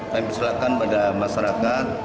kami persilahkan pada masyarakat